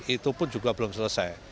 itu pun juga belum selesai